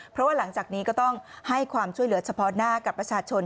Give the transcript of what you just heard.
เพราะว่าหลังจากนี้ก็ต้องให้ความช่วยเหลือเฉพาะหน้ากับประชาชน